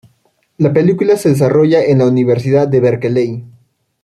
La película se desarrolla en la Universidad de Berkeley.